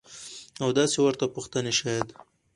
او داسې ورته پوښتنې شايد.